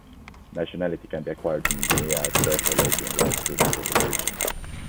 Nationality can be acquired in Guinea at birth or later in life through naturalization.